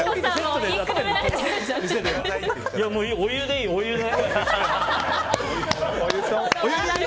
お湯でいい、お湯で。